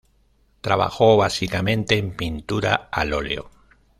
Trabajó básicamente en pintura al óleo.